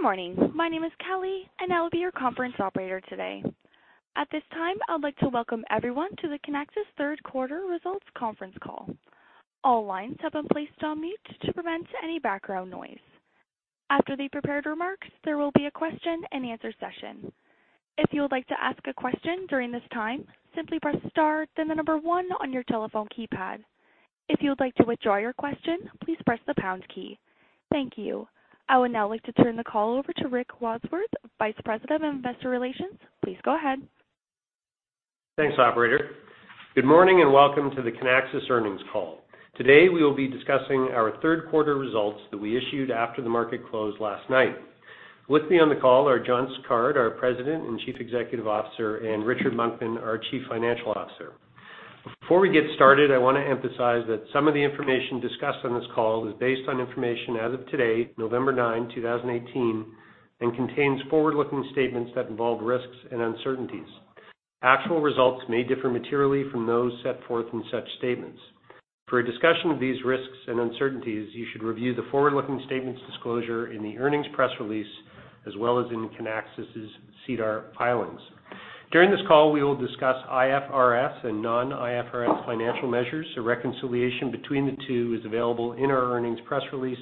Good morning. My name is Kelly, and I will be your conference operator today. At this time, I would like to welcome everyone to the Kinaxis Third Quarter Results Conference Call. All lines have been placed on mute to prevent any background noise. After the prepared remarks, there will be a question and answer session. If you would like to ask a question during this time, simply press star then 1 on your telephone keypad. If you would like to withdraw your question, please press the pound key. Thank you. I would now like to turn the call over to Rick Wadsworth, Vice President of Investor Relations. Please go ahead. Thanks, operator. Good morning and welcome to the Kinaxis earnings call. Today, we will be discussing our third quarter results that we issued after the market closed last night. With me on the call are John Sicard, our President and Chief Executive Officer, and Richard Monkman, our Chief Financial Officer. Before we get started, I want to emphasize that some of the information discussed on this call is based on information as of today, November 9, 2018, and contains forward-looking statements that involve risks and uncertainties. Actual results may differ materially from those set forth in such statements. For a discussion of these risks and uncertainties, you should review the forward-looking statements disclosure in the earnings press release, as well as in Kinaxis' SEDAR filings. During this call, we will discuss IFRS and non-IFRS financial measures. A reconciliation between the two is available in our earnings press release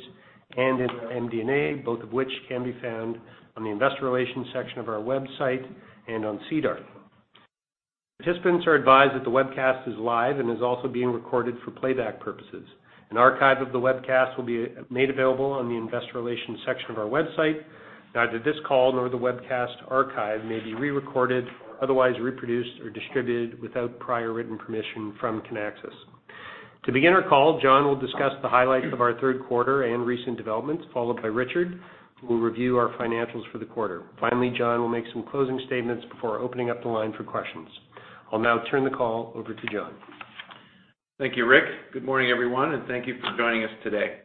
and in our MD&A, both of which can be found on the investor relations section of our website and on SEDAR. Participants are advised that the webcast is live and is also being recorded for playback purposes. An archive of the webcast will be made available on the investor relations section of our website. Neither this call nor the webcast archive may be re-recorded or otherwise reproduced or distributed without prior written permission from Kinaxis. To begin our call, John will discuss the highlights of our third quarter and recent developments, followed by Richard, who will review our financials for the quarter. Finally, John will make some closing statements before opening up the line for questions. I'll now turn the call over to John. Thank you, Rick. Good morning, everyone, thank you for joining us today.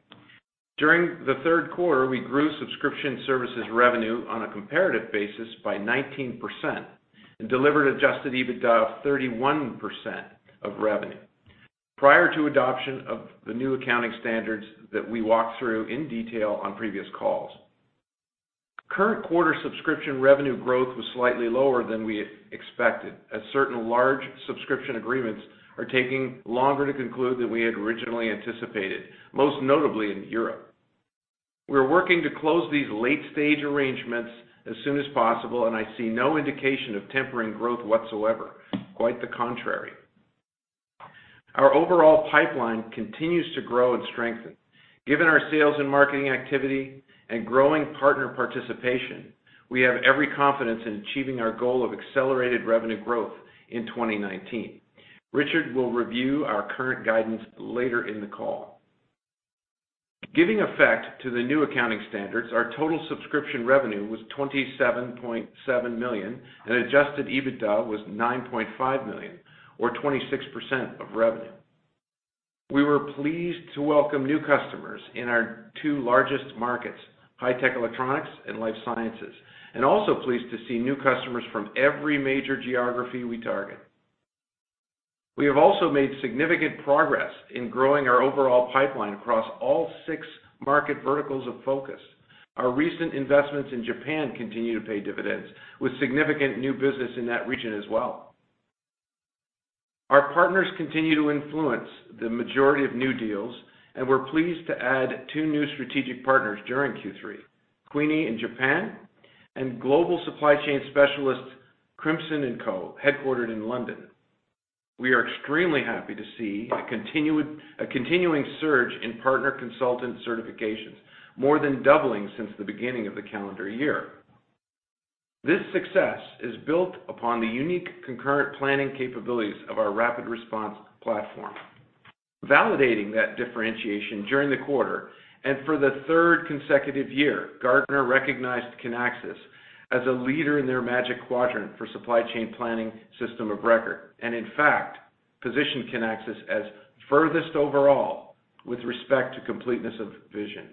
During the third quarter, we grew subscription services revenue on a comparative basis by 19% and delivered adjusted EBITDA of 31% of revenue prior to adoption of the new accounting standards that we walked through in detail on previous calls. Current quarter subscription revenue growth was slightly lower than we expected, as certain large subscription agreements are taking longer to conclude than we had originally anticipated, most notably in Europe. We're working to close these late-stage arrangements as soon as possible. I see no indication of tempering growth whatsoever, quite the contrary. Our overall pipeline continues to grow and strengthen. Given our sales and marketing activity and growing partner participation, we have every confidence in achieving our goal of accelerated revenue growth in 2019. Richard will review our current guidance later in the call. Giving effect to the new accounting standards, our total subscription revenue was $27.7 million, and adjusted EBITDA was $9.5 million, or 26% of revenue. We were pleased to welcome new customers in our two largest markets, high-tech electronics and life sciences, and also pleased to see new customers from every major geography we target. We have also made significant progress in growing our overall pipeline across all six market verticals of focus. Our recent investments in Japan continue to pay dividends, with significant new business in that region as well. Our partners continue to influence the majority of new deals, and we're pleased to add two new strategic partners during Q3, Quinso in Japan and global supply chain specialist Crimson & Co., headquartered in London. We are extremely happy to see a continuing surge in partner consultant certifications, more than doubling since the beginning of the calendar year. This success is built upon the unique concurrent planning capabilities of our RapidResponse platform. Validating that differentiation during the quarter and for the third consecutive year, Gartner recognized Kinaxis as a leader in their Magic Quadrant for Supply Chain Planning System of Record, and in fact, positioned Kinaxis as furthest overall with respect to completeness of vision.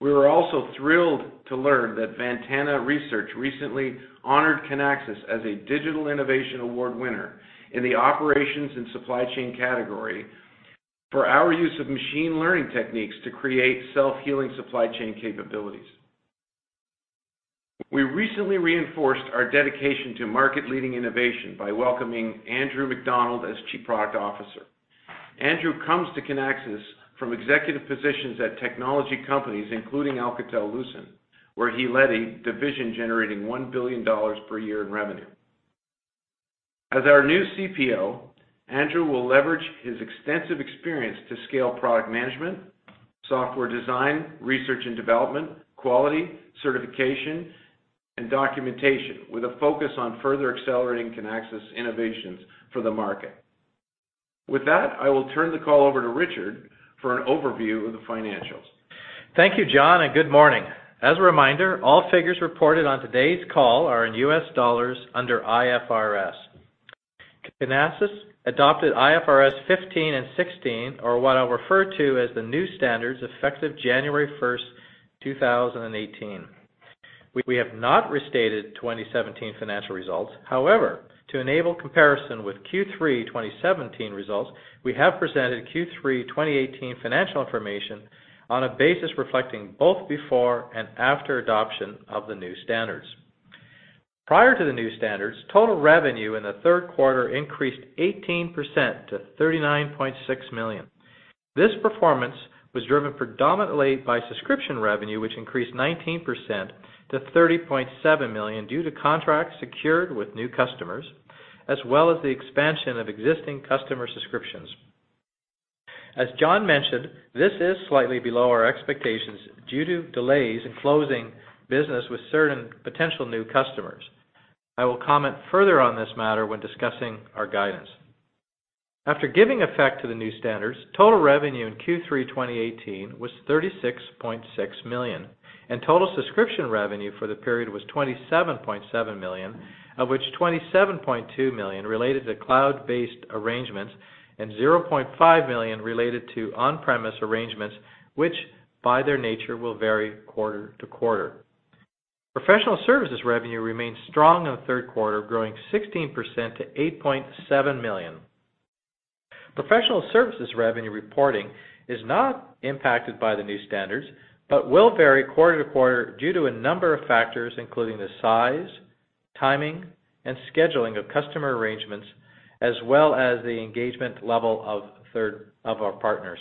We were also thrilled to learn that Ventana Research recently honored Kinaxis as a Digital Innovation Award winner in the operations and supply chain category for our use of machine learning techniques to create self-healing supply chain capabilities. We recently reinforced our dedication to market-leading innovation by welcoming Andrew McDonald as Chief Product Officer. Andrew comes to Kinaxis from executive positions at technology companies, including Alcatel-Lucent, where he led a division generating $1 billion per year in revenue. As our new CPO, Andrew will leverage his extensive experience to scale product management, software design, research and development, quality, certification, and documentation, with a focus on further accelerating Kinaxis innovations for the market. With that, I will turn the call over to Richard for an overview of the financials. Thank you, John. Good morning. As a reminder, all figures reported on today's call are in US dollars under IFRS. Kinaxis adopted IFRS 15 and 16, or what I'll refer to as the new standards, effective January 1st, 2018. We have not restated 2017 financial results. However, to enable comparison with Q3 2017 results, we have presented Q3 2018 financial information on a basis reflecting both before and after adoption of the new standards. Prior to the new standards, total revenue in the third quarter increased 18% to $39.6 million. This performance was driven predominantly by subscription revenue, which increased 19% to 30.7 million due to contracts secured with new customers, as well as the expansion of existing customer subscriptions. As John mentioned, this is slightly below our expectations due to delays in closing business with certain potential new customers. I will comment further on this matter when discussing our guidance. After giving effect to the new standards, total revenue in Q3 2018 was 36.6 million, and total subscription revenue for the period was 27.7 million, of which 27.2 million related to cloud-based arrangements and 0.5 million related to on-premise arrangements, which by their nature will vary quarter to quarter. Professional services revenue remains strong in the third quarter, growing 16% to 8.7 million. Professional services revenue reporting is not impacted by the new standards, but will vary quarter to quarter due to a number of factors, including the size, timing, and scheduling of customer arrangements, as well as the engagement level of our partners.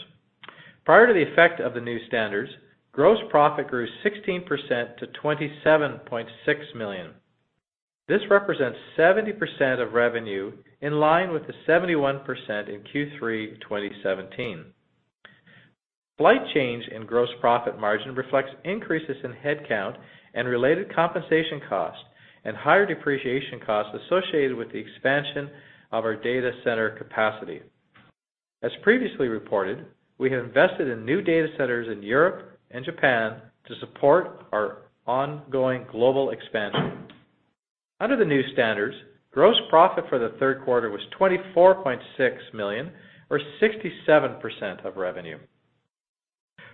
Prior to the effect of the new standards, gross profit grew 16% to 27.6 million. This represents 70% of revenue, in line with the 71% in Q3 2017. Slight change in gross profit margin reflects increases in headcount and related compensation cost, and higher depreciation costs associated with the expansion of our data center capacity. As previously reported, we have invested in new data centers in Europe and Japan to support our ongoing global expansion. Under the new standards, gross profit for the third quarter was 24.6 million, or 67% of revenue.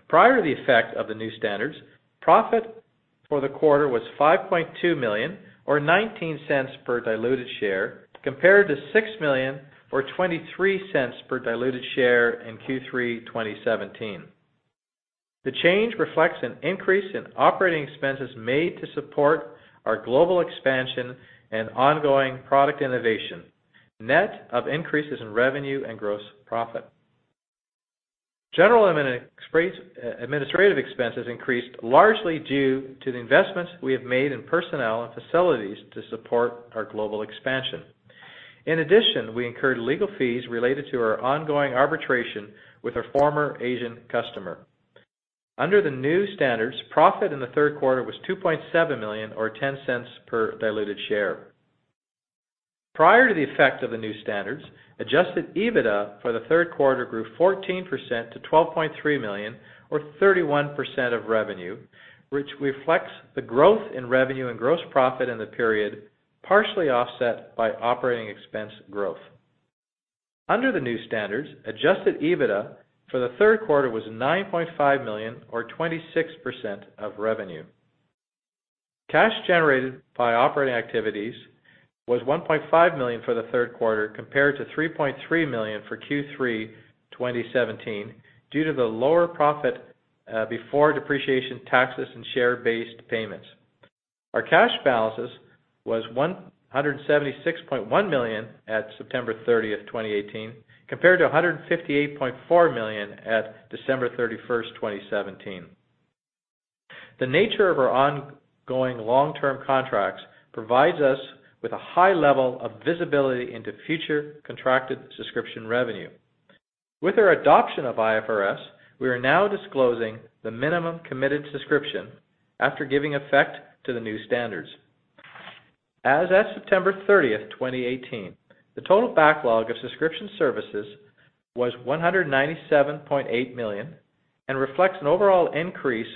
Prior to the effect of the new standards, profit for the quarter was 5.2 million, or 0.19 per diluted share, compared to 6 million or 0.23 per diluted share in Q3 2017. The change reflects an increase in operating expenses made to support our global expansion and ongoing product innovation, net of increases in revenue and gross profit. General administrative expenses increased largely due to the investments we have made in personnel and facilities to support our global expansion. In addition, we incurred legal fees related to our ongoing arbitration with our former Asian customer. Under the new standards, profit in the third quarter was 2.7 million, or 0.10 per diluted share. Prior to the effect of the new standards, adjusted EBITDA for the third quarter grew 14% to 12.3 million, or 31% of revenue, which reflects the growth in revenue and gross profit in the period, partially offset by operating expense growth. Under the new standards, adjusted EBITDA for the third quarter was 9.5 million, or 26% of revenue. Cash generated by operating activities was 1.5 million for the third quarter, compared to 3.3 million for Q3 2017, due to the lower profit before depreciation taxes and share-based payments. Our cash balances was CAD 176.1 million at September 30, 2018, compared to CAD 158.4 million at December 31, 2017. The nature of our ongoing long-term contracts provides us with a high level of visibility into future contracted subscription revenue. With our adoption of IFRS, we are now disclosing the minimum committed subscription after giving effect to the new standards. As at September 30th, 2018, the total backlog of subscription services was $197.8 million and reflects an overall increase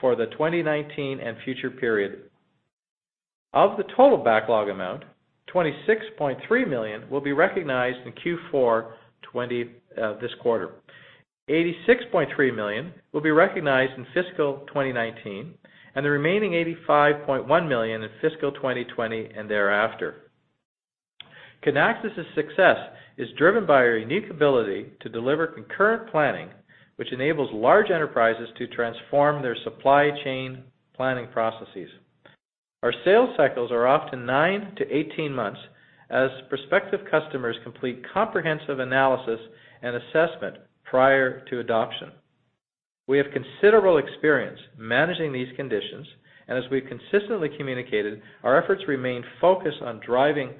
for the 2019 and future period. Of the total backlog amount, $26.3 million will be recognized in Q4 this quarter. $86.3 million will be recognized in fiscal 2019, and the remaining $85.1 million in fiscal 2020 and thereafter. Kinaxis' success is driven by our unique ability to deliver concurrent planning, which enables large enterprises to transform their supply chain planning processes. Our sales cycles are often nine to 18 months, as prospective customers complete comprehensive analysis and assessment prior to adoption. We have considerable experience managing these conditions, and as we've consistently communicated, our efforts remain focused on driving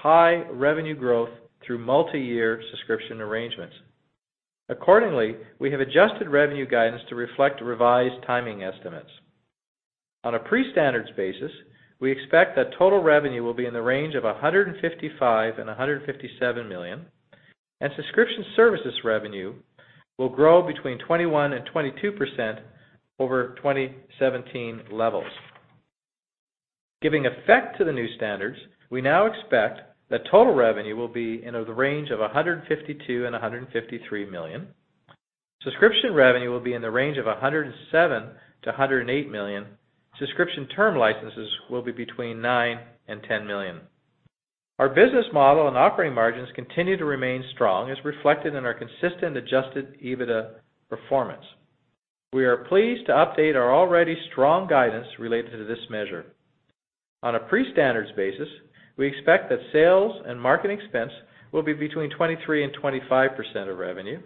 high revenue growth through multi-year subscription arrangements. Accordingly, we have adjusted revenue guidance to reflect revised timing estimates. On a pre-standards basis, we expect that total revenue will be in the range of $155 million and $157 million, and subscription services revenue will grow between 21% and 22% over 2017 levels. Giving effect to the new standards, we now expect that total revenue will be in the range of $152 million and $153 million. Subscription revenue will be in the range of $107 million to $108 million. Subscription term licenses will be between nine and 10 million. Our business model and operating margins continue to remain strong, as reflected in our consistent adjusted EBITDA performance. We are pleased to update our already strong guidance related to this measure. On a pre-standards basis, we expect that sales and marketing expense will be between 23% and 25% of revenue.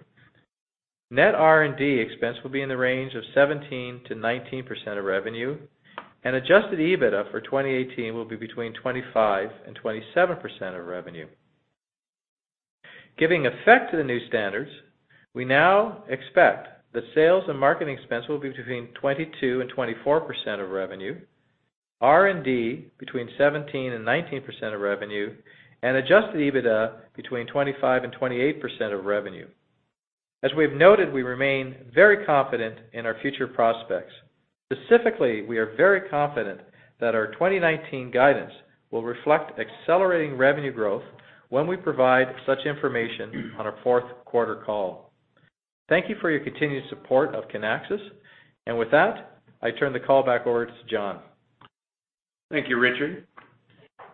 Net R&D expense will be in the range of 17% to 19% of revenue. Adjusted EBITDA for 2018 will be between 25% and 27% of revenue. Giving effect to the new standards, we now expect that sales and marketing expense will be between 22% and 24% of revenue, R&D between 17% and 19% of revenue, and adjusted EBITDA between 25% and 28% of revenue. As we have noted, we remain very confident in our future prospects. Specifically, we are very confident that our 2019 guidance will reflect accelerating revenue growth when we provide such information on our fourth quarter call. Thank you for your continued support of Kinaxis. With that, I turn the call back over to John. Thank you, Richard.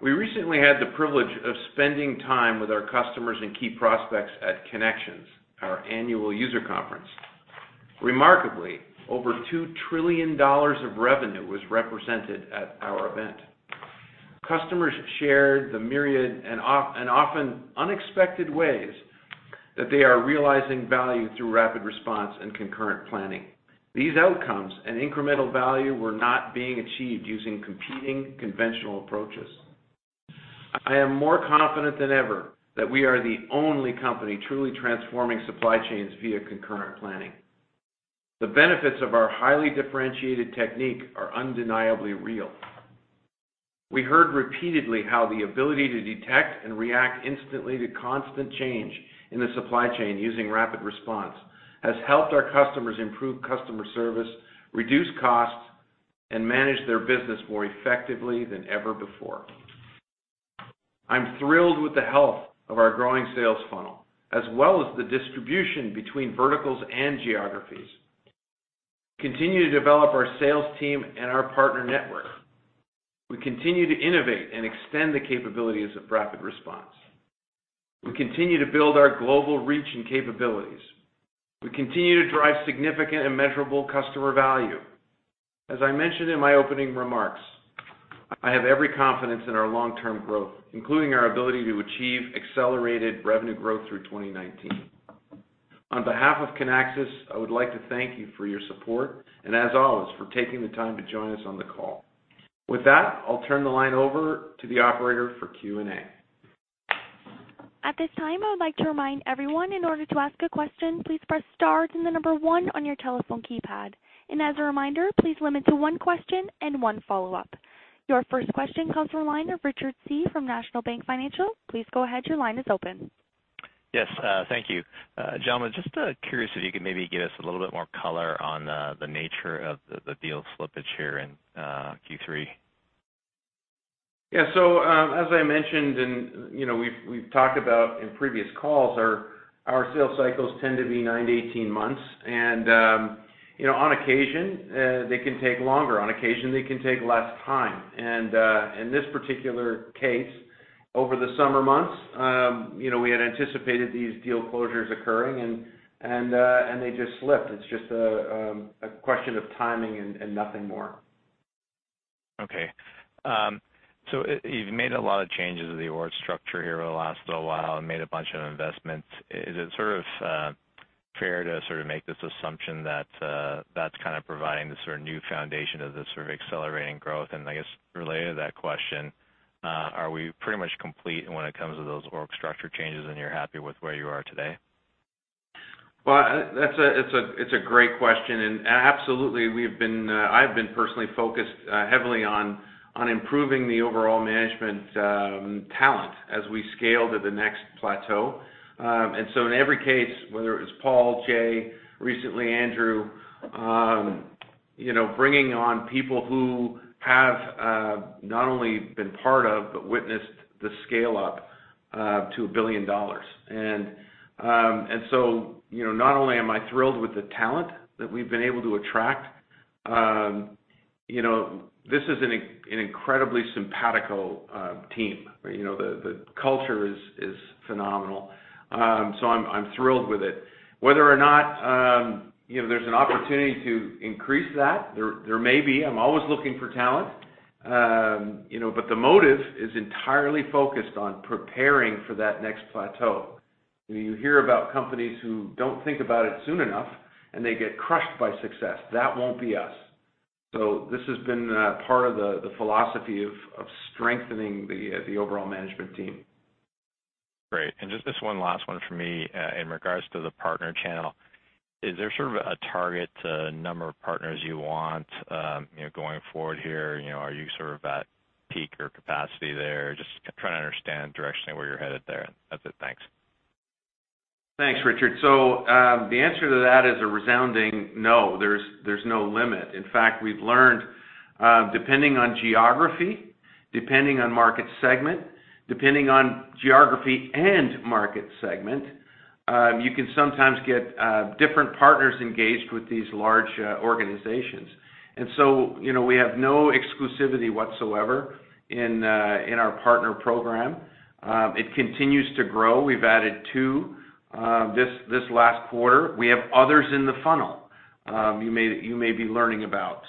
We recently had the privilege of spending time with our customers and key prospects at Kinexions, our annual user conference. Remarkably, over $2 trillion of revenue was represented at our event. Customers shared the myriad and often unexpected ways that they are realizing value through RapidResponse and concurrent planning. These outcomes and incremental value were not being achieved using competing conventional approaches. I am more confident than ever that we are the only company truly transforming supply chains via concurrent planning. The benefits of our highly differentiated technique are undeniably real. We heard repeatedly how the ability to detect and react instantly to constant change in the supply chain using RapidResponse has helped our customers improve customer service, reduce costs, and manage their business more effectively than ever before. I'm thrilled with the health of our growing sales funnel, as well as the distribution between verticals and geographies. We continue to develop our sales team and our partner network. We continue to innovate and extend the capabilities of RapidResponse. We continue to build our global reach and capabilities. We continue to drive significant and measurable customer value. As I mentioned in my opening remarks, I have every confidence in our long-term growth, including our ability to achieve accelerated revenue growth through 2019. On behalf of Kinaxis, I would like to thank you for your support, and as always, for taking the time to join us on the call. With that, I'll turn the line over to the operator for Q&A. At this time, I would like to remind everyone, in order to ask a question, please press star then the number one on your telephone keypad. As a reminder, please limit to one question and one follow-up. Your first question comes from the line of Richard Tse. from National Bank Financial. Please go ahead, your line is open. Yes, thank you. Gentlemen, just curious if you could maybe give us a little bit more color on the nature of the deal slippage here in Q3. As I mentioned and we've talked about in previous calls, our sales cycles tend to be 9-18 months. On occasion, they can take longer. On occasion, they can take less time. In this particular case, over the summer months, we had anticipated these deal closures occurring, and they just slipped. It's just a question of timing and nothing more. Okay. You've made a lot of changes in the org structure here over the last little while and made a bunch of investments. Is it sort of fair to sort of make this assumption that's kind of providing the sort of new foundation of this sort of accelerating growth? I guess, related to that question, are we pretty much complete when it comes to those org structure changes and you're happy with where you are today? It's a great question, absolutely, I have been personally focused heavily on improving the overall management talent as we scale to the next plateau. In every case, whether it's Paul, Jay, recently Andrew, bringing on people who have not only been part of, but witnessed the scale-up to $1 billion. Not only am I thrilled with the talent that we've been able to attract, this is an incredibly simpatico team. The culture is phenomenal. I'm thrilled with it. Whether or not there's an opportunity to increase that, there may be. I'm always looking for talent. The motive is entirely focused on preparing for that next plateau. You hear about companies who don't think about it soon enough, and they get crushed by success. That won't be us. This has been part of the philosophy of strengthening the overall management team. Great. Just this one last one from me. In regards to the partner channel, is there sort of a target number of partners you want going forward here? Are you sort of at peak or capacity there? Just trying to understand directionally where you're headed there. That's it. Thanks. Thanks, Richard. The answer to that is a resounding no. There's no limit. In fact, we've learned, depending on geography and market segment, you can sometimes get different partners engaged with these large organizations. We have no exclusivity whatsoever in our partner program. It continues to grow. We've added two this last quarter. We have others in the funnel you may be learning about.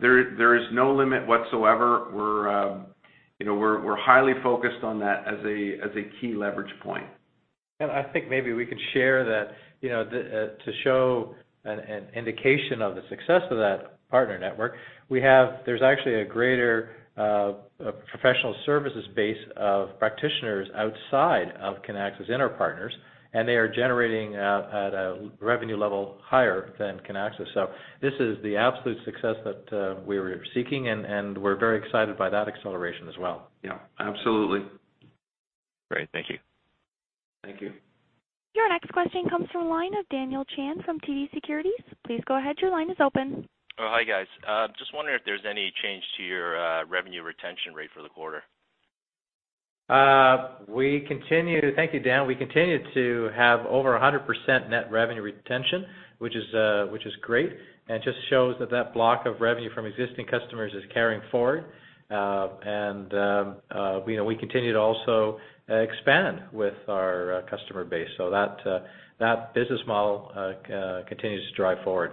There is no limit whatsoever. We're highly focused on that as a key leverage point. I think maybe we can share that to show an indication of the success of that partner network, there's actually a greater professional services base of practitioners outside of Kinaxis inner partners, and they are generating at a revenue level higher than Kinaxis. This is the absolute success that we were seeking, and we're very excited by that acceleration as well. Yeah, absolutely. Great. Thank you. Thank you. Your next question comes from the line of Daniel Chan from TD Securities. Please go ahead, your line is open. Oh, hi guys. Just wondering if there's any change to your revenue retention rate for the quarter. Thank you, Dan. We continue to have over 100% net revenue retention, which is great, and just shows that block of revenue from existing customers is carrying forward. We continue to also expand with our customer base, so that business model continues to drive forward.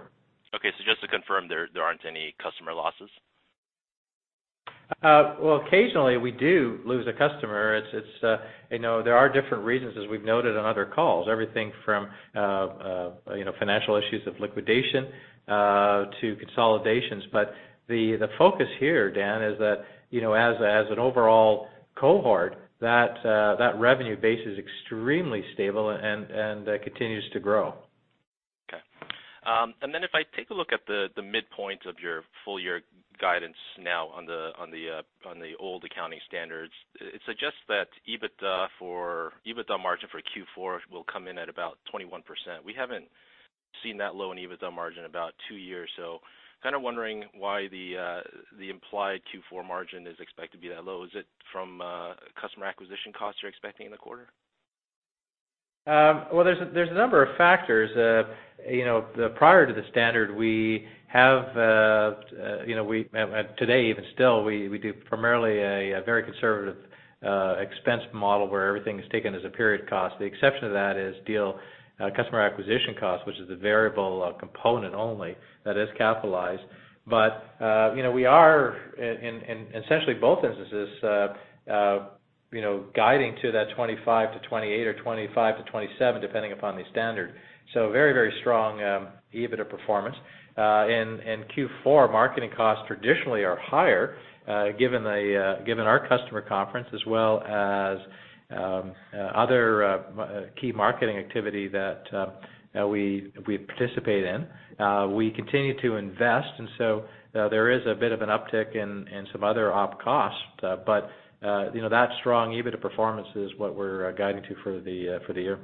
Okay. Just to confirm, there aren't any customer losses? Occasionally we do lose a customer. There are different reasons, as we've noted on other calls, everything from financial issues of liquidation, to consolidations. The focus here, Dan, is that as an overall cohort, that revenue base is extremely stable and continues to grow. If I take a look at the midpoint of your full year guidance now on the old accounting standards, it suggests that EBITDA margin for Q4 will come in at about 21%. We haven't seen that low an EBITDA margin in about two years, kind of wondering why the implied Q4 margin is expected to be that low. Is it from customer acquisition costs you're expecting in the quarter? There's a number of factors. Prior to the standard, today even still, we do primarily a very conservative expense model where everything is taken as a period cost. The exception to that is customer acquisition cost, which is the variable component only that is capitalized. We are in essentially both instances, guiding to that 25%-28% or 25%-27%, depending upon the standard. Very strong EBITDA performance. In Q4, marketing costs traditionally are higher, given our customer conference as well as other key marketing activity that we participate in. We continue to invest, there is a bit of an uptick in some other op costs. That strong EBITDA performance is what we're guiding to for the year.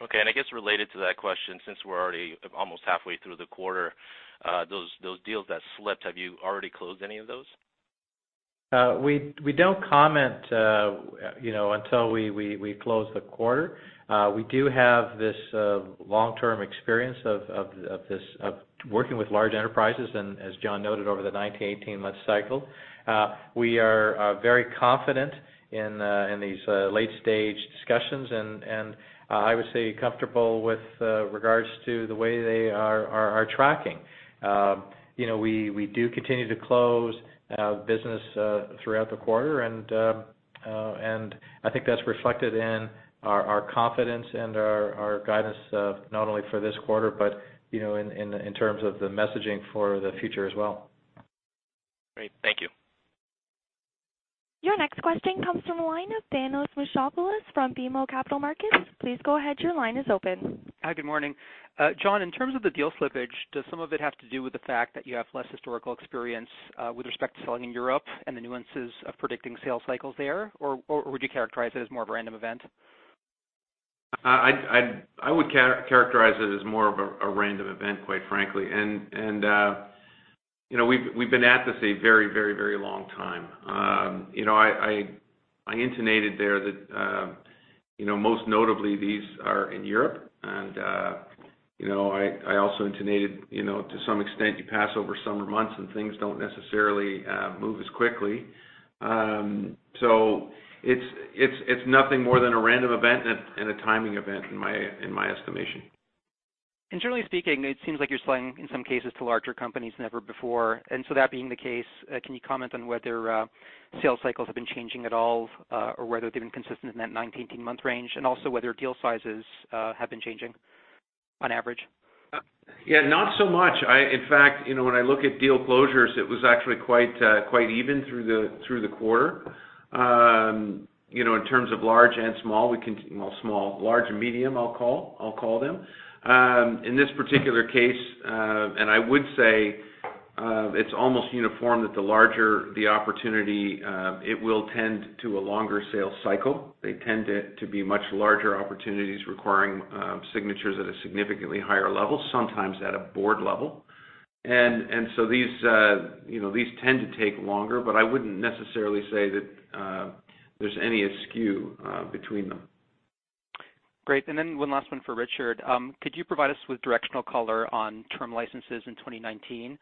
I guess related to that question, since we're already almost halfway through the quarter, those deals that slipped, have you already closed any of those? We don't comment until we close the quarter. We do have this long-term experience of working with large enterprises and as John noted, over the 19 to 18-month cycle. We are very confident in these late-stage discussions and I would say comfortable with regards to the way they are tracking. We do continue to close business throughout the quarter, and I think that's reflected in our confidence and our guidance, not only for this quarter, but in terms of the messaging for the future as well. Great. Thank you. Your next question comes from the line of Thanos Moschopoulos from BMO Capital Markets. Please go ahead, your line is open. Hi, good morning. John, in terms of the deal slippage, does some of it have to do with the fact that you have less historical experience with respect to selling in Europe and the nuances of predicting sales cycles there? Or would you characterize it as more of a random event? I would characterize it as more of a random event, quite frankly. We've been at this a very long time. I intonated there that most notably these are in Europe. I also intonated to some extent, you pass over summer months and things don't necessarily move as quickly. It's nothing more than a random event and a timing event in my estimation. Generally speaking, it seems like you're selling, in some cases, to larger companies than ever before. That being the case, can you comment on whether sales cycles have been changing at all, or whether they've been consistent in that 19 to 18-month range? Also whether deal sizes have been changing on average? Not so much. In fact, when I look at deal closures, it was actually quite even through the quarter. In terms of large and small, large and medium, I'll call them. In this particular case, I would say, it's almost uniform that the larger the opportunity, it will tend to a longer sales cycle. They tend to be much larger opportunities requiring signatures at a significantly higher level, sometimes at a board level. These tend to take longer, but I wouldn't necessarily say that there's any skew between them. Great. Then one last one for Richard. Could you provide us with directional color on term licenses in 2019?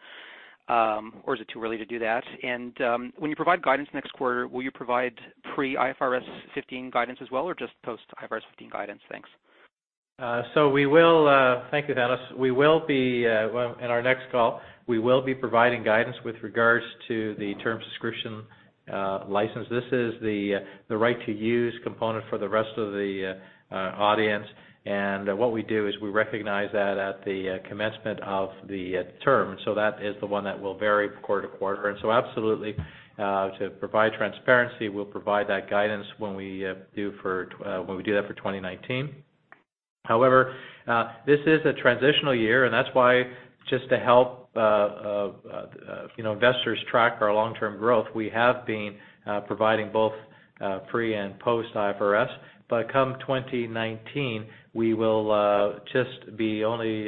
Or is it too early to do that? When you provide guidance next quarter, will you provide pre IFRS 15 guidance as well, or just post IFRS 15 guidance? Thanks. Thank you, Thanos. In our next call, we will be providing guidance with regards to the term subscription license. This is the right to use component for the rest of the audience. What we do is we recognize that at the commencement of the term. That is the one that will vary quarter-to-quarter. Absolutely, to provide transparency, we will provide that guidance when we do that for 2019. However, this is a transitional year, and that is why just to help investors track our long-term growth, we have been providing both pre and post IFRS. Come 2019, we will just be only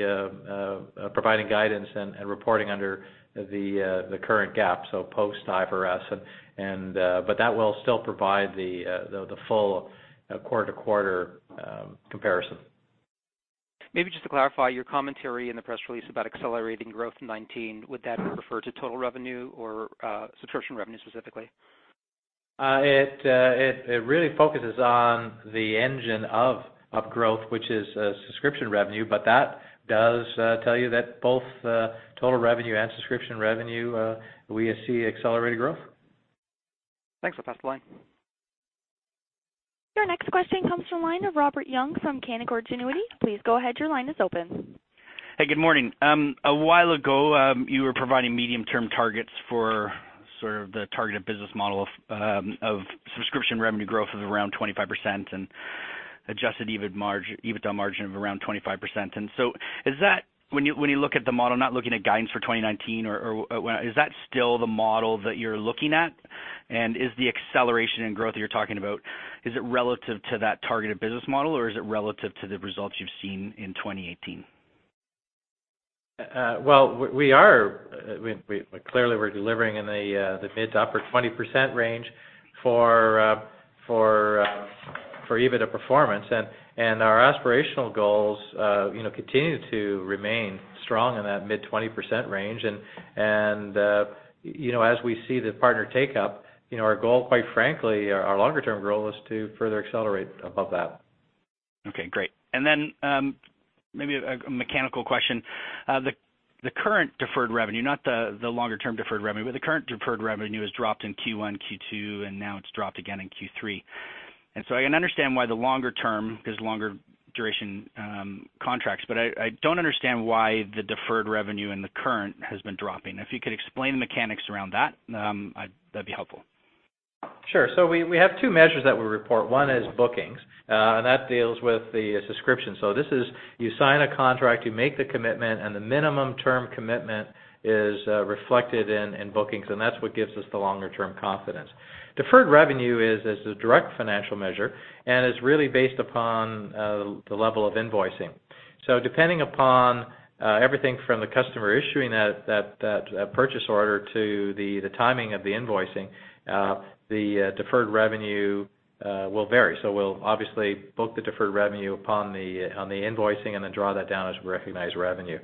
providing guidance and reporting under the current GAAP, so post IFRS. That will still provide the full quarter-to-quarter comparison. Maybe just to clarify, your commentary in the press release about accelerating growth in 2019, would that refer to total revenue or subscription revenue specifically? It really focuses on the engine of growth, which is subscription revenue, but that does tell you that both total revenue and subscription revenue, we see accelerated growth. Thanks. I'll pass the line. Your next question comes from the line of Robert Young from Canaccord Genuity. Please go ahead, your line is open. Hey, good morning. A while ago, you were providing medium term targets for sort of the targeted business model of subscription revenue growth of around 25% and adjusted EBITDA margin of around 25%. When you look at the model, not looking at guidance for 2019, is that still the model that you're looking at? Is the acceleration in growth that you're talking about, is it relative to that targeted business model or is it relative to the results you've seen in 2018? Well, clearly we're delivering in the mid to upper 20% range for EBITDA performance, and our aspirational goals continue to remain strong in that mid 20% range. As we see the partner take up, our goal quite frankly, our longer term goal, is to further accelerate above that. Okay, great. Maybe a mechanical question. The current deferred revenue, not the longer term deferred revenue, but the current deferred revenue has dropped in Q1, Q2, and now it's dropped again in Q3. I can understand why the longer term, because longer duration contracts, but I don't understand why the deferred revenue in the current has been dropping. If you could explain the mechanics around that'd be helpful. Sure. We have two measures that we report. One is bookings, and that deals with the subscription. This is, you sign a contract, you make the commitment, and the minimum term commitment is reflected in bookings, and that's what gives us the longer term confidence. Deferred revenue is a direct financial measure, and is really based upon the level of invoicing. Depending upon everything from the customer issuing that purchase order to the timing of the invoicing, the deferred revenue will vary. We'll obviously book the deferred revenue on the invoicing and then draw that down as recognized revenue.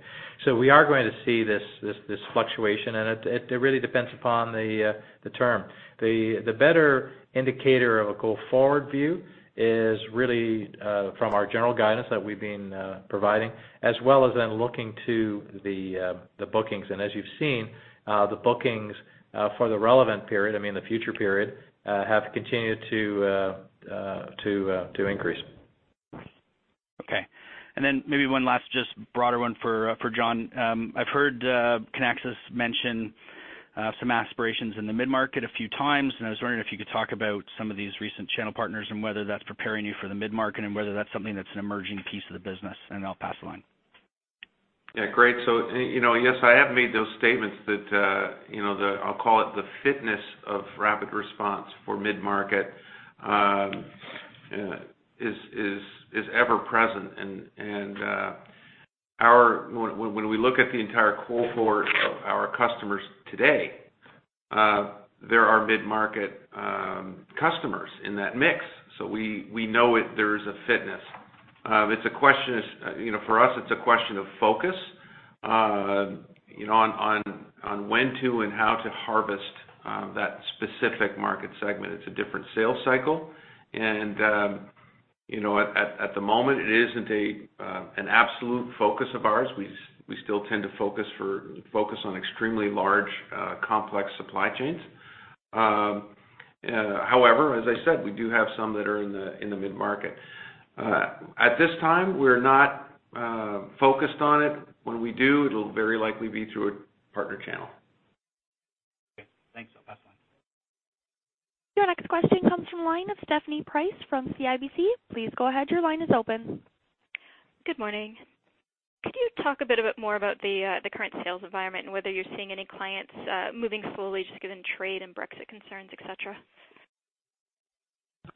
We are going to see this fluctuation, and it really depends upon the term. The better indicator of a go forward view is really from our general guidance that we've been providing, as well as then looking to the bookings. As you've seen, the bookings for the relevant period, I mean the future period, have continued to increase. Okay. Maybe one last just broader one for John. I've heard Kinaxis mention some aspirations in the mid-market a few times, and I was wondering if you could talk about some of these recent channel partners and whether that's preparing you for the mid-market and whether that's something that's an emerging piece of the business, and then I'll pass the line. Yeah, great. Yes, I have made those statements that, I'll call it the fitness of RapidResponse for mid-market, is ever present. When we look at the entire cohort of our customers today, there are mid-market customers in that mix, we know there's a fitness. For us, it's a question of focus, on when to and how to harvest that specific market segment. It's a different sales cycle, and at the moment, it isn't an absolute focus of ours. We still tend to focus on extremely large, complex supply chains. However, as I said, we do have some that are in the mid-market. At this time, we're not focused on it. When we do, it'll very likely be through a partner channel. Okay, thanks. I'll pass the line. Your next question comes from the line of Stephanie Price from CIBC. Please go ahead, your line is open. Good morning. Could you talk a bit more about the current sales environment and whether you're seeing any clients moving slowly just given trade and Brexit concerns, et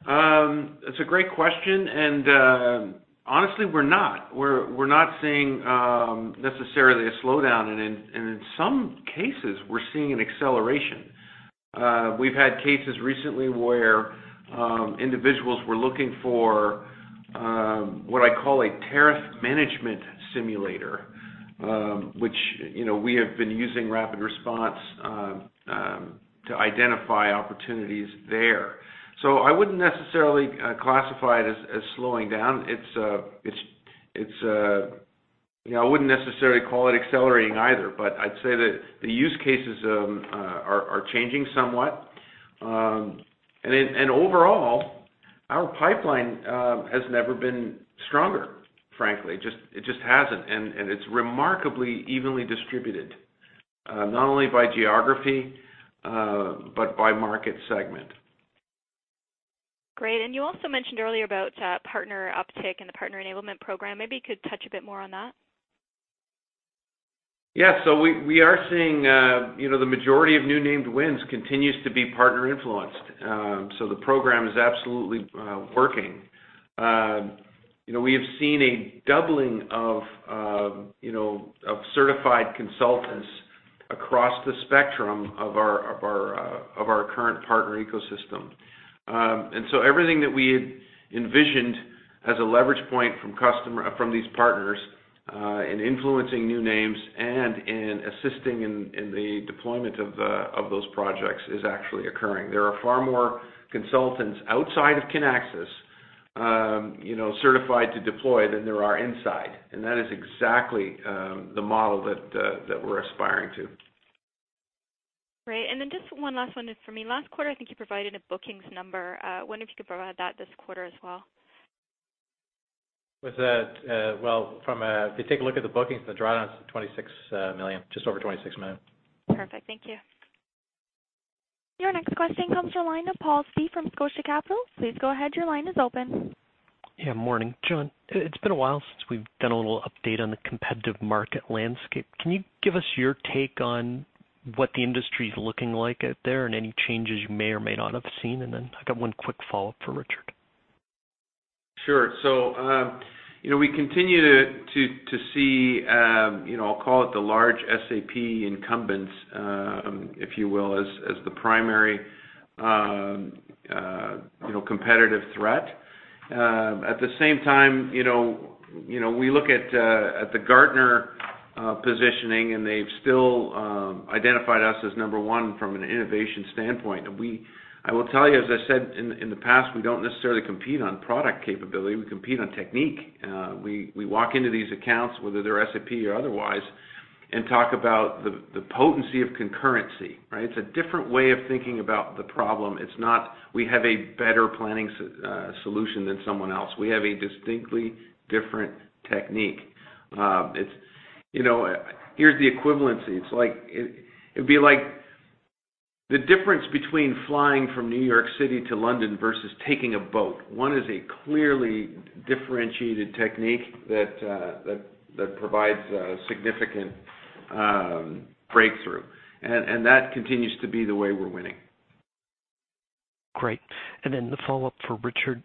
cetera? It's a great question. Honestly, we're not. We're not seeing necessarily a slowdown, and in some cases, we're seeing an acceleration. We've had cases recently where individuals were looking for what I call a tariff management simulator, which we have been using RapidResponse to identify opportunities there. I wouldn't necessarily classify it as slowing down. I wouldn't necessarily call it accelerating either, but I'd say that the use cases are changing somewhat. Overall, our pipeline has never been stronger, frankly. It just hasn't, and it's remarkably evenly distributed, not only by geography, but by market segment. Great. You also mentioned earlier about partner uptick in the Partner Enablement Program. Maybe you could touch a bit more on that. Yeah. We are seeing the majority of new named wins continues to be partner influenced. The program is absolutely working. We have seen a doubling of certified consultants across the spectrum of our current partner ecosystem. Everything that we had envisioned as a leverage point from these partners, in influencing new names and in assisting in the deployment of those projects, is actually occurring. There are far more consultants outside of Kinaxis certified to deploy than there are inside. That is exactly the model that we're aspiring to. Great. Just one last one for me. Last quarter, I think you provided a bookings number. I wonder if you could provide that this quarter as well. Well, if you take a look at the bookings, the drawdown's at $26 million, just over $26 million. Perfect. Thank you. Your next question comes from the line of Paul Tse from Scotia Capital. Please go ahead, your line is open. Yeah, morning. John, it's been a while since we've done a little update on the competitive market landscape. Can you give us your take on what the industry's looking like out there, and any changes you may or may not have seen? I've got one quick follow-up for Richard. Sure. We continue to see, I'll call it the large SAP incumbents, if you will, as the primary competitive threat. At the same time, we look at the Gartner positioning, they've still identified us as number one from an innovation standpoint. I will tell you, as I said in the past, we don't necessarily compete on product capability, we compete on technique. We walk into these accounts, whether they're SAP or otherwise, and talk about the potency of concurrency, right? It's a different way of thinking about the problem. It's not we have a better planning solution than someone else. We have a distinctly different technique. Here's the equivalency. It'd be like the difference between flying from New York City to London versus taking a boat. One is a clearly differentiated technique that provides a significant breakthrough, and that continues to be the way we're winning. Great. The follow-up for Richard.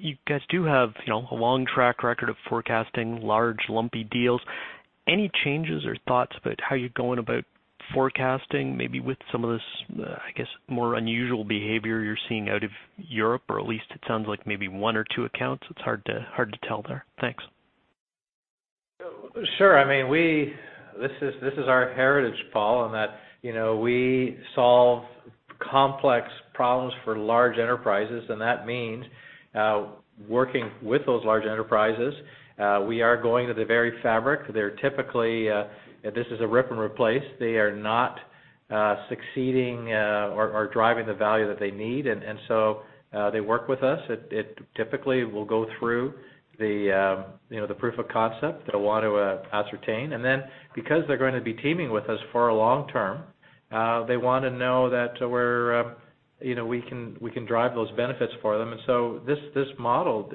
You guys do have a long track record of forecasting large, lumpy deals. Any changes or thoughts about how you're going about forecasting, maybe with some of this, I guess, more unusual behavior you're seeing out of Europe? Or at least it sounds like maybe one or two accounts. It's hard to tell there. Thanks. Sure. This is our heritage, Paul, in that we solve complex problems for large enterprises, that means working with those large enterprises. We are going to the very fabric. If this is a rip and replace, they are not succeeding or driving the value that they need, they work with us. It typically will go through the proof of concept they'll want to ascertain. Because they're going to be teaming with us for a long term, they want to know that we can drive those benefits for them. This model,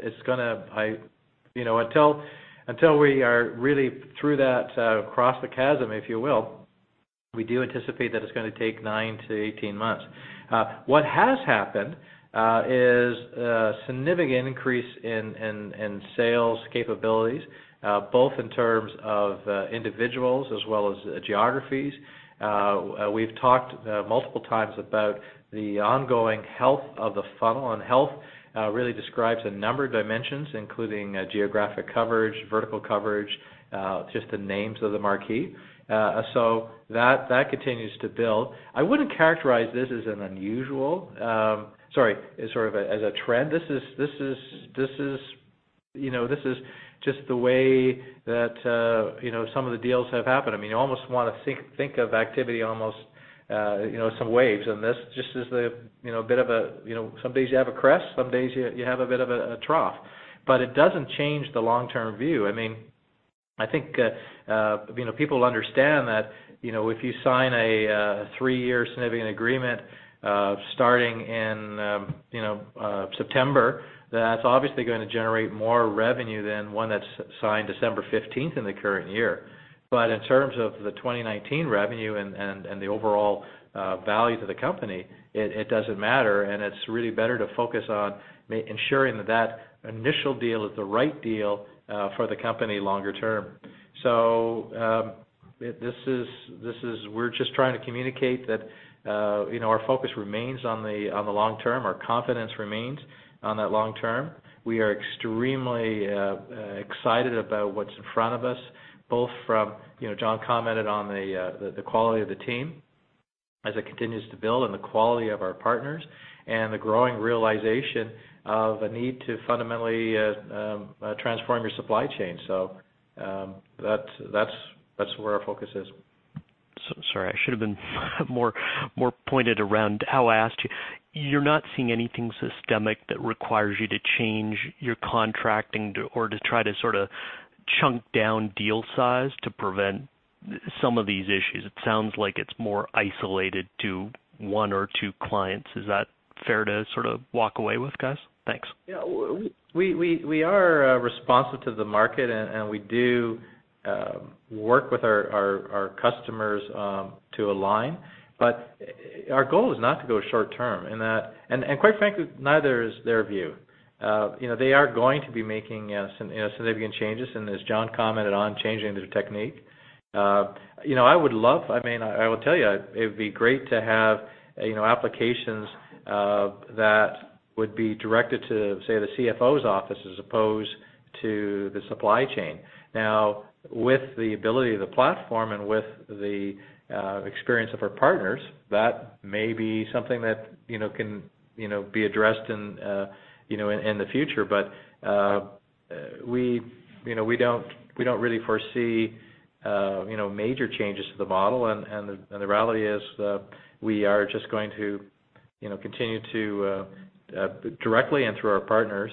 until we are really through that, across the chasm, if you will, we do anticipate that it's going to take nine to 18 months. What has happened is a significant increase in sales capabilities, both in terms of individuals as well as geographies. We've talked multiple times about the ongoing health of the funnel, health really describes a number of dimensions, including geographic coverage, vertical coverage, just the names of the marquee. That continues to build. I wouldn't characterize this as a trend. This is just the way that some of the deals have happened. You almost want to think of activity almost some waves, this just is a bit of some days you have a crest, some days you have a bit of a trough. It doesn't change the long-term view. I think people understand that if you sign a three-year significant agreement, starting in September, that's obviously going to generate more revenue than one that's signed December 15th in the current year. In terms of the 2019 revenue and the overall value to the company, it doesn't matter, it's really better to focus on ensuring that initial deal is the right deal for the company longer term. We're just trying to communicate that our focus remains on the long term. Our confidence remains on that long term. We are extremely excited about what's in front of us, both from, John commented on the quality of the team as it continues to build and the quality of our partners, the growing realization of a need to fundamentally transform your supply chain. That's where our focus is. Sorry, I should have been more pointed around how I asked you. You're not seeing anything systemic that requires you to change your contracting or to try to sort of chunk down deal size to prevent some of these issues? It sounds like it's more isolated to one or two clients. Is that fair to sort of walk away with, guys? Thanks. Yeah. We are responsive to the market, and we do work with our customers to align. Our goal is not to go short term, and quite frankly, neither is their view. They are going to be making some significant changes, and as John commented on, changing their technique. I would love, I will tell you, it would be great to have applications that would be directed to, say, the CFO's office as opposed to the supply chain. Now, with the ability of the platform and with the experience of our partners, that may be something that can be addressed in the future. We don't really foresee major changes to the model. The reality is, we are just going to continue to directly and through our partners,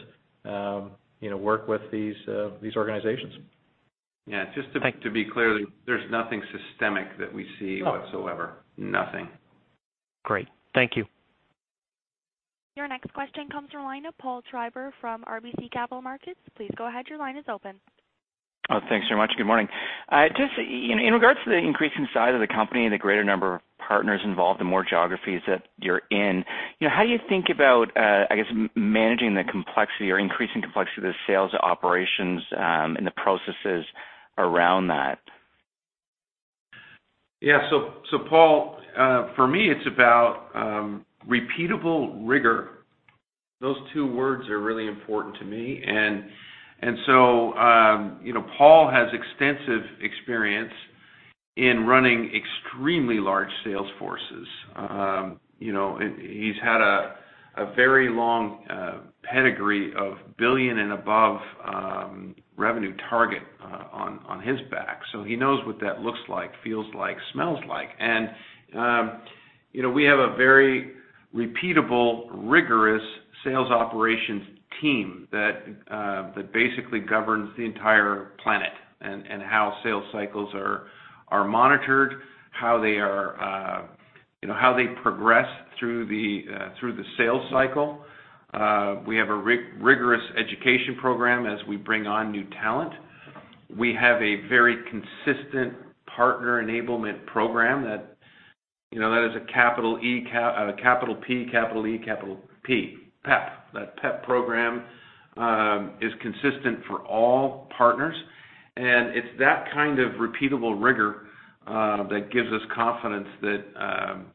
work with these organizations. Thanks. Yeah. Just to be clear, there's nothing systemic that we see whatsoever. No. Nothing. Great. Thank you. Your next question comes from the line of Paul Treiber from RBC Capital Markets. Please go ahead, your line is open. Oh, thanks very much. Good morning. Just in regards to the increasing size of the company and the greater number of partners involved, the more geographies that you're in, how do you think about, I guess, managing the complexity or increasing complexity of the sales operations, and the processes around that? Yeah. Paul, for me, it's about repeatable rigor. Those two words are really important to me. Paul has extensive experience in running extremely large sales forces. He's had a very long pedigree of billion and above revenue target on his back, so he knows what that looks like, feels like, smells like. We have a very repeatable, rigorous sales operations team that basically governs the entire planet, and how sales cycles are monitored, how they progress through the sales cycle. We have a rigorous education program as we bring on new talent. We have a very consistent partner enablement program that is a PEP. That PEP program is consistent for all partners. It's that kind of repeatable rigor that gives us confidence that,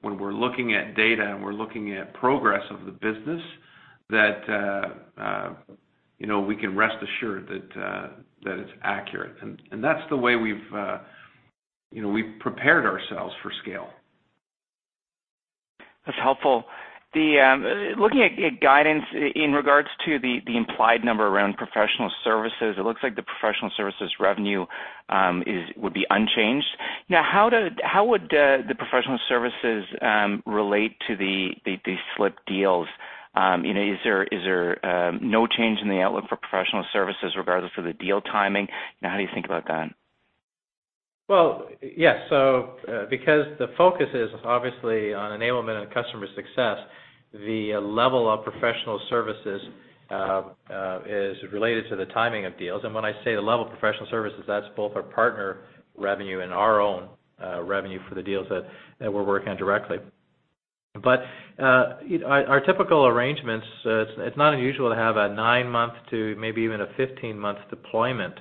when we're looking at data and we're looking at progress of the business, that we can rest assured that it's accurate. That's the way we've prepared ourselves for scale. That's helpful. Looking at guidance in regards to the implied number around professional services, it looks like the professional services revenue would be unchanged. How would the professional services relate to the slipped deals? Is there no change in the outlook for professional services regardless of the deal timing? How do you think about that? Because the focus is obviously on enablement and customer success, the level of professional services is related to the timing of deals. When I say the level of professional services, that's both our partner revenue and our own revenue for the deals that we're working on directly. Our typical arrangements, it's not unusual to have a 9-month to maybe even a 15-month deployment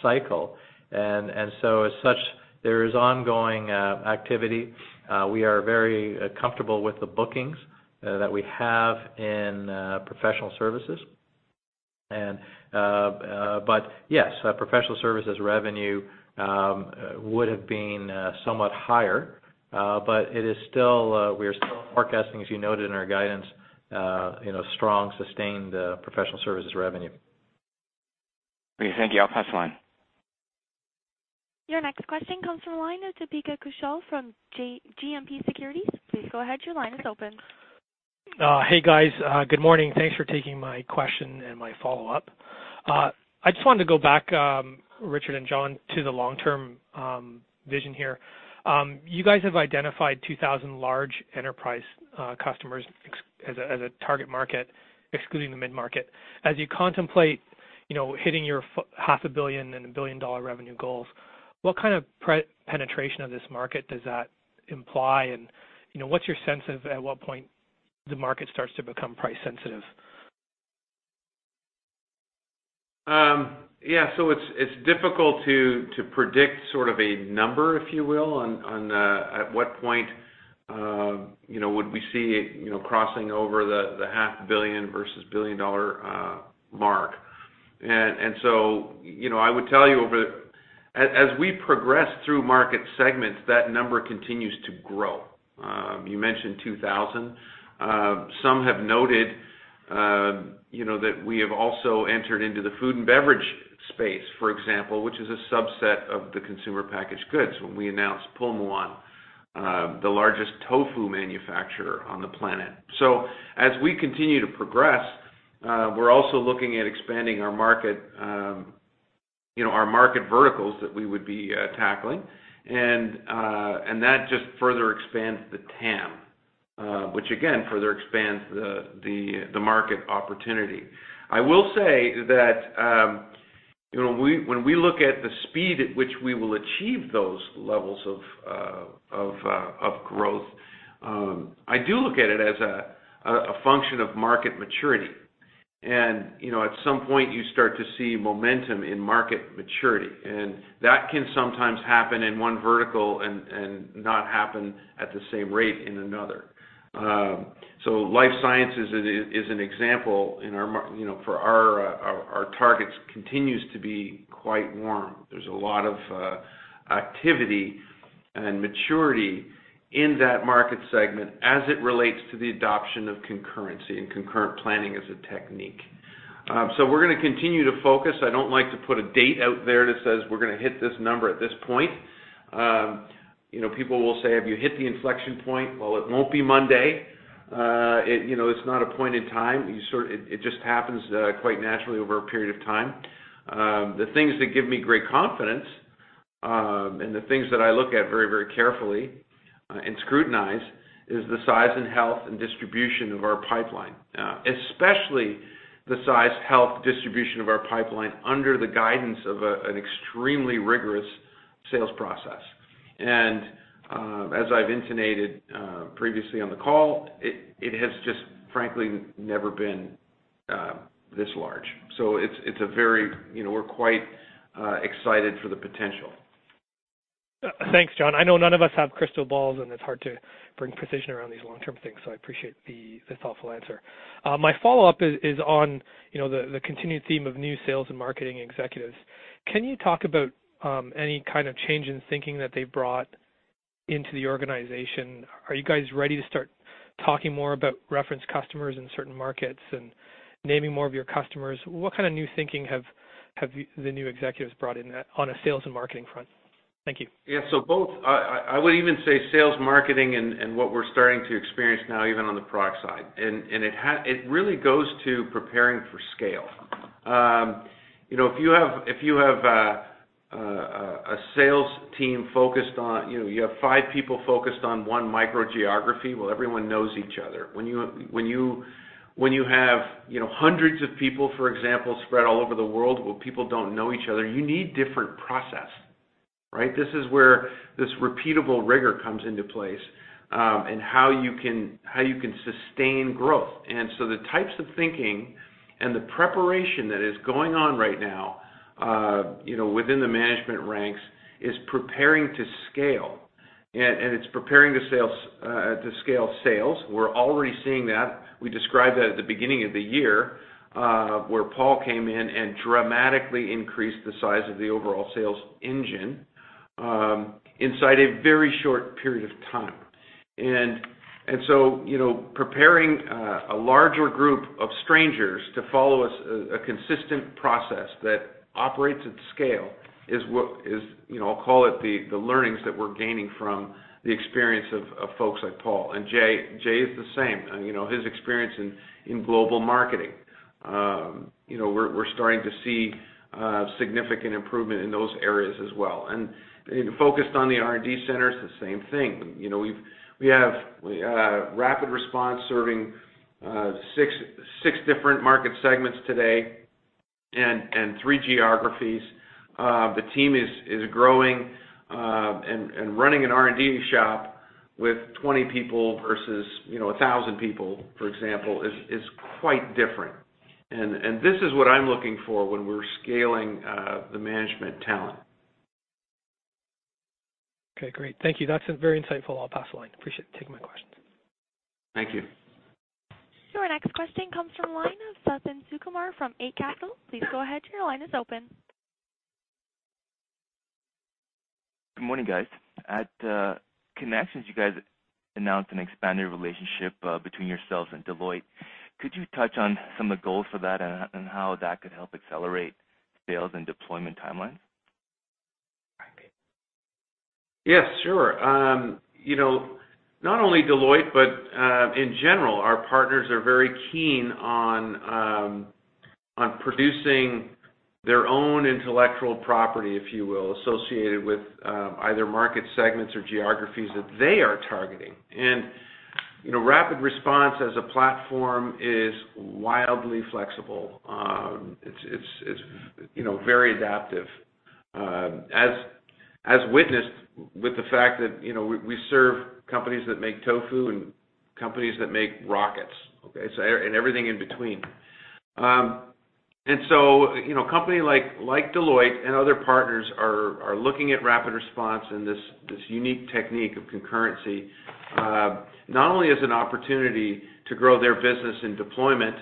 cycle. As such, there is ongoing activity. We are very comfortable with the bookings that we have in professional services. Yes, professional services revenue would've been somewhat higher. We are still forecasting, as you noted in our guidance, strong, sustained professional services revenue. Great. Thank you. I'll pass the line. Your next question comes from the line of Deepika Kaushal from GMP Securities. Please go ahead, your line is open. Hey, guys. Good morning. Thanks for taking my question and my follow-up. I just wanted to go back, Richard and John, to the long-term vision here. You guys have identified 2,000 large enterprise customers as a target market, excluding the mid-market. As you contemplate hitting your half a billion and a billion-dollar revenue goals, what kind of penetration of this market does that imply? What's your sense of at what point the market starts to become price sensitive? Yeah. It's difficult to predict sort of a number, if you will, on at what point would we see crossing over the half billion versus billion-dollar mark. I would tell you, as we progress through market segments, that number continues to grow. You mentioned 2,000. Some have noted that we have also entered into the food and beverage space, for example, which is a subset of the consumer packaged goods, when we announced Pulmuone, the largest tofu manufacturer on the planet. As we continue to progress, we're also looking at expanding our market verticals that we would be tackling. That just further expands the TAM, which again, further expands the market opportunity. I will say that when we look at the speed at which we will achieve those levels of growth, I do look at it as a function of market maturity. At some point, you start to see momentum in market maturity, and that can sometimes happen in one vertical and not happen at the same rate in another. Life sciences is an example for our targets, continues to be quite warm. There's a lot of activity and maturity in that market segment as it relates to the adoption of concurrency and concurrent planning as a technique. We're going to continue to focus. I don't like to put a date out there that says we're going to hit this number at this point. People will say, "Have you hit the inflection point?" It won't be Monday. It's not a point in time. It just happens quite naturally over a period of time. The things that give me great confidence, and the things that I look at very carefully and scrutinize, is the size and health and distribution of our pipeline. Especially the size, health, distribution of our pipeline under the guidance of an extremely rigorous sales process. As I've intonated previously on the call, it has just frankly never been this large. We're quite excited for the potential. Thanks, John. I know none of us have crystal balls, and it's hard to bring precision around these long-term things, I appreciate the thoughtful answer. My follow-up is on the continued theme of new sales and marketing executives. Can you talk about any kind of change in thinking that they've brought into the organization? Are you guys ready to start talking more about reference customers in certain markets and naming more of your customers? What kind of new thinking have the new executives brought in on a sales and marketing front? Thank you. Yeah, both, I would even say sales marketing and what we're starting to experience now, even on the product side. It really goes to preparing for scale. If you have a sales team, you have five people focused on one micro-geography, well, everyone knows each other. When you have hundreds of people, for example, spread all over the world, well, people don't know each other. You need different process. Right? This is where this repeatable rigor comes into place, and how you can sustain growth. The types of thinking and the preparation that is going on right now within the management ranks is preparing to scale. It's preparing to scale sales. We're already seeing that. We described that at the beginning of the year, where Paul came in and dramatically increased the size of the overall sales engine inside a very short period of time. Preparing a larger group of strangers to follow a consistent process that operates at scale is, I'll call it the learnings that we're gaining from the experience of folks like Paul. Jay is the same. His experience in global marketing. We're starting to see significant improvement in those areas as well. Focused on the R&D centers, the same thing. We have RapidResponse serving six different market segments today and three geographies. The team is growing, and running an R&D shop with 20 people versus 1,000 people, for example, is quite different. This is what I'm looking for when we're scaling the management talent. Okay, great. Thank you. That's very insightful. I'll pass the line. Appreciate you taking my questions. Thank you. Our next question comes from the line of Suthan Sukumar from Eight Capital. Please go ahead, your line is open. Good morning, guys. At Kinexions, you guys announced an expanded relationship between yourselves and Deloitte. Could you touch on some of the goals for that and how that could help accelerate sales and deployment timelines? Yes, sure. Not only Deloitte, but in general, our partners are very keen on producing their own intellectual property, if you will, associated with either market segments or geographies that they are targeting. RapidResponse as a platform is wildly flexible. It's very adaptive. As witnessed with the fact that we serve companies that make tofu and companies that make rockets, okay? Everything in between. Company like Deloitte and other partners are looking at RapidResponse and this unique technique of concurrency, not only as an opportunity to grow their business in deployment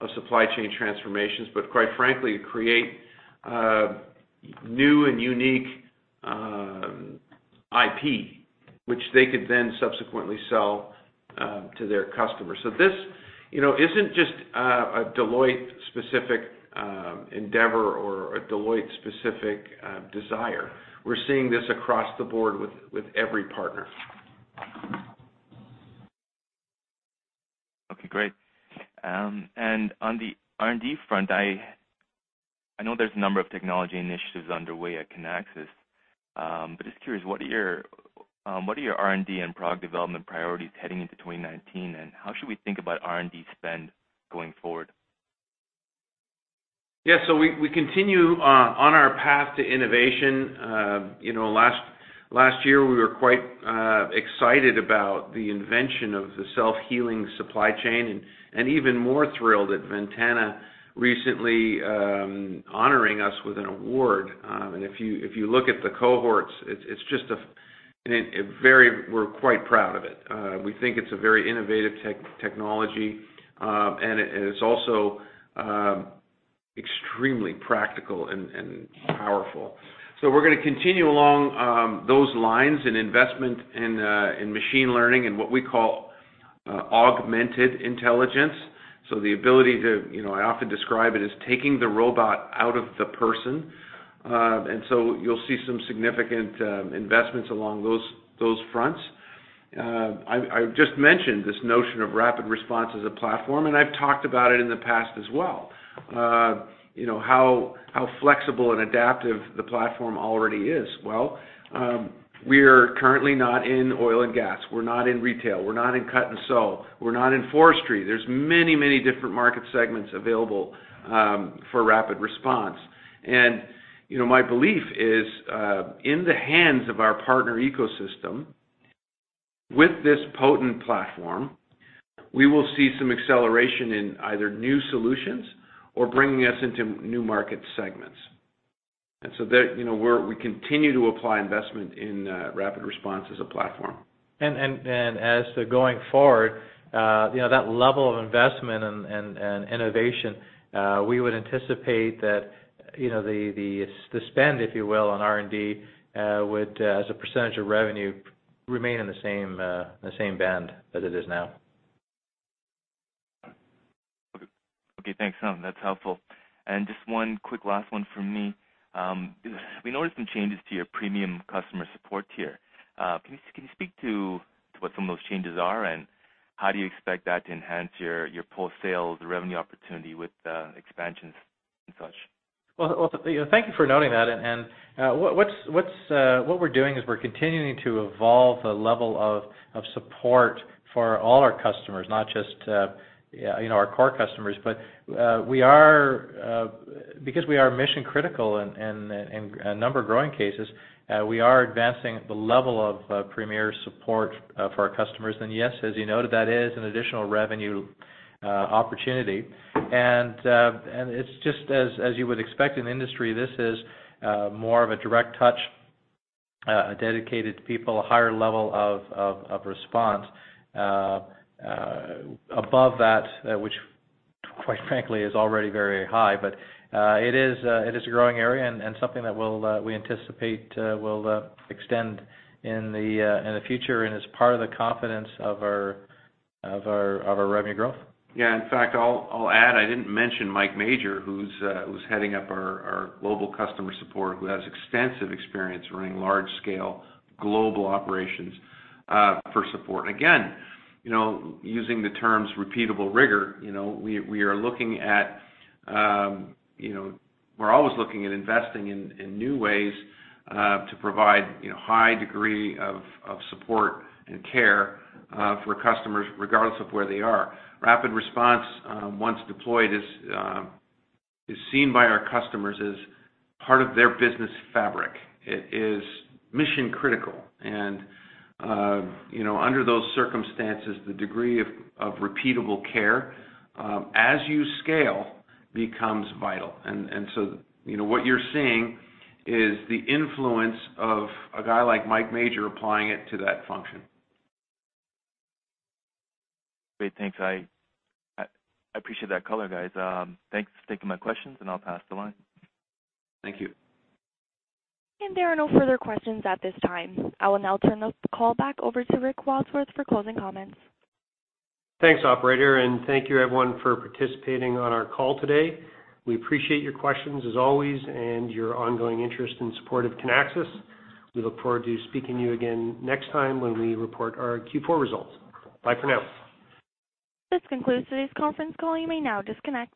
of supply chain transformations, but quite frankly, to create new and unique IP, which they could then subsequently sell to their customers. This isn't just a Deloitte-specific endeavor or a Deloitte-specific desire. We're seeing this across the board with every partner. Okay, great. On the R&D front, I know there's a number of technology initiatives underway at Kinaxis. Just curious, what are your R&D and product development priorities heading into 2019, and how should we think about R&D spend going forward? Yeah. We continue on our path to innovation. Last year, we were quite excited about the invention of the self-healing supply chain, and even more thrilled at Ventana recently honoring us with a Digital Innovation Award. If you look at the cohorts, we're quite proud of it. We think it's a very innovative technology, and it's also extremely practical and powerful. We're going to continue along those lines in investment in machine learning, and what we call augmented intelligence. The ability to I often describe it as taking the robot out of the person. You'll see some significant investments along those fronts. I just mentioned this notion of RapidResponse as a platform, and I've talked about it in the past as well, how flexible and adaptive the platform already is. We're currently not in oil and gas. We're not in retail. We're not in cut and sew. We're not in forestry. There's many, many different market segments available for RapidResponse. My belief is, in the hands of our partner ecosystem, with this potent platform, we will see some acceleration in either new solutions or bringing us into new market segments. We continue to apply investment in RapidResponse as a platform. As to going forward, that level of investment and innovation, we would anticipate that the spend, if you will, on R&D, would, as a % of revenue, remain in the same band as it is now. Okay, thanks. That's helpful. Just one quick last one from me. We noticed some changes to your premium customer support tier. Can you speak to what some of those changes are, and how do you expect that to enhance your post-sales revenue opportunity with expansions and such? Well, thank you for noting that. What we're doing is we're continuing to evolve the level of support for all our customers, not just our core customers. Because we are mission-critical in a number of growing cases, we are advancing the level of premier support for our customers. Yes, as you noted, that is an additional revenue opportunity. It's just as you would expect in an industry, this is more of a direct touch, dedicated people, a higher level of response above that which, quite frankly, is already very high. It is a growing area and something that we anticipate will extend in the future and is part of the confidence of our revenue growth. Yeah. In fact, I'll add, I didn't mention Mike Mauger, who's heading up our global customer support, who has extensive experience running large-scale global operations for support. Again, using the terms repeatable rigor, we're always looking at investing in new ways, to provide high degree of support and care for customers, regardless of where they are. RapidResponse, once deployed, is seen by our customers as part of their business fabric. It is mission-critical, and under those circumstances, the degree of repeatable care, as you scale, becomes vital. What you're seeing is the influence of a guy like Mike Mauger applying it to that function. Great. Thanks. I appreciate that color, guys. Thanks for taking my questions. I'll pass the line. Thank you. There are no further questions at this time. I will now turn the call back over to Rick Wadsworth for closing comments. Thanks, operator, and thank you, everyone, for participating on our call today. We appreciate your questions, as always, and your ongoing interest and support of Kinaxis. We look forward to speaking to you again next time when we report our Q4 results. Bye for now. This concludes today's conference call. You may now disconnect.